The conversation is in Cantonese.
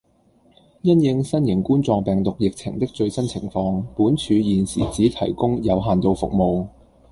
因應新型冠狀病毒疫情的最新情況，本處現時只提供有限度服務